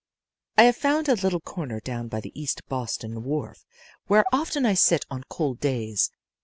"I have found a little corner down by the East Boston wharf where often I sit on cold days.